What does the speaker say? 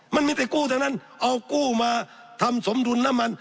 มันมีแต่กู้ทั้งนั้นเอากู้มาทำสมดุลน้ำมัน